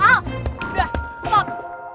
al udah stop